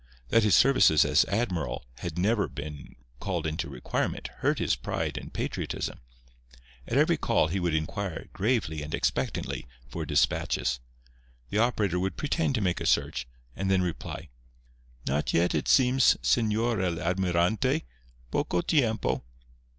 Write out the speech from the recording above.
That his services as admiral had never been called into requirement hurt his pride and patriotism. At every call he would inquire, gravely and expectantly, for despatches. The operator would pretend to make a search, and then reply: "Not yet, it seems, _Señor el Almirante—poco tiempo!